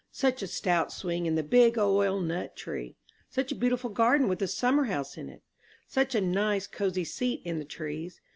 Such a stout swing in the big oil nut tree! Such a beautiful garden, with a summer house in it! Such a nice cosy seat in the trees!